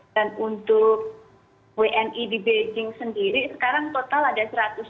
dan untuk wni di beijing sendiri sekarang total ada satu ratus dua puluh